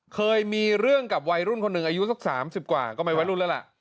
เคยมีเรื่องกับวัยรุ่นคนหนึ่งอายุสัก๓๐กว่าก็ไม่วัยรุ่นแล้วล่ะ